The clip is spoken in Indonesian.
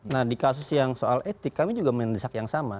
nah di kasus yang soal etik kami juga mendesak yang sama